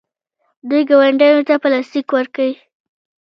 دوی ګاونډیانو ته پلاستیک ورکوي.